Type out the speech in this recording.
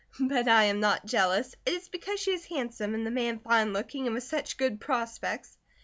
But I am not jealous. It is because she is handsome, and the man fine looking and with such good prospects."